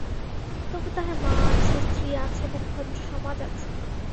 তবু তাহার মা আছে, স্ত্রী আছে এবং ভদ্রসমাজ আছে।